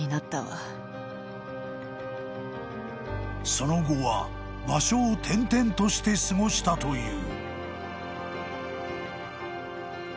［その後は場所を転々として過ごしたという］